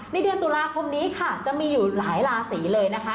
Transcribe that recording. เดือนตุลาคมนี้ค่ะจะมีอยู่หลายราศีเลยนะคะ